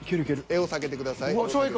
絵を避けてください。